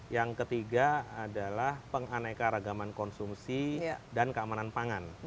yang ketiga adalah penganeka ragaman konsumsi dan keamanan pangan